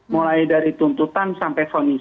mulai dari tuntutan sampai kepentingan umum